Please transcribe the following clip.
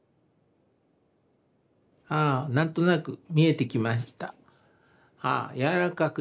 ああ何となく見えてきました。